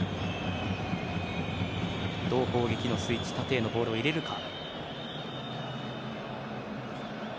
どう攻撃のスイッチ縦へのボールを入れるか。